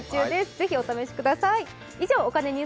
ぜひお試しください。